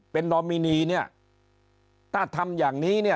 เป็นนอมินีเนี่ยถ้าทำอย่างนี้เนี่ย